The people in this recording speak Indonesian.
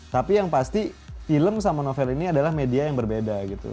tapi yang pasti film sama novel ini adalah media yang berbeda gitu